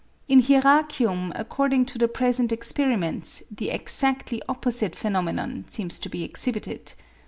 In Hieracium according to the present experiments the exactly opposite phenomenon seems to be exhibited.